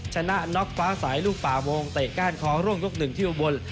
ชนะน็อกฟ้าสายลูกป่าวงเตะก้านคอร่วงยกหนึ่งที่อุบล